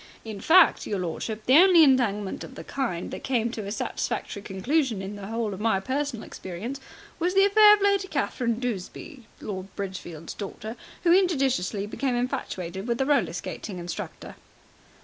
In fact, your lordship, the only entanglement of the kind that came to a satisfactory conclusion in the whole of my personal experience was the affair of Lady Catherine Duseby, Lord Bridgefield's daughter, who injudiciously became infatuated with a roller skating instructor."